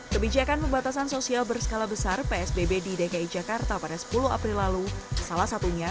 kebijakan pembatasan sosial berskala besar psbb di dki jakarta pada sepuluh april lalu salah satunya